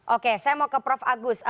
oke saya mau ke prof agus